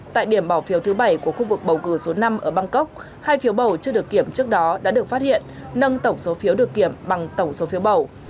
tại điểm bỏ phiếu thứ bảy của khu vực bầu cử số năm ở bangkok hai phiếu bầu chưa được kiểm trước đó đã được phát hiện nâng tổng số phiếu được kiểm bằng tổng số phiếu bầu